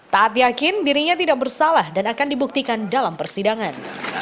taat yakin dirinya tidak bersalah dan akan dibuktikan dalam persidangan